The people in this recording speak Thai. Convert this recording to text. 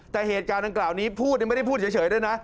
แต่เหตุการณ์ดังกล่าวนี้พูดไม่ได้พูดเฉยด้วยนะ